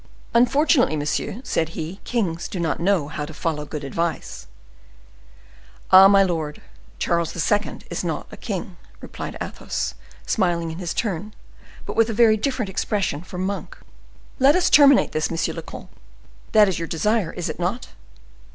"Unfortunately, monsieur," said he, "kings do not know how to follow good advice." "Ah, my lord, Charles II. is not a king," replied Athos, smiling in his turn, but with a very different expression from Monk. "Let us terminate this, monsieur le comte,—that is your desire, is it not?"